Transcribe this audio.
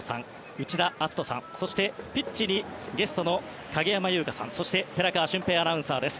内田篤人さんそしてピッチにゲストの影山優佳さんそして寺川俊平アナウンサーです。